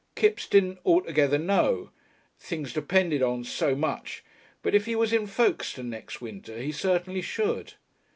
Kipps didn't "altogether know" "things depended on so much," but if he was in Folkestone next winter he certainly should.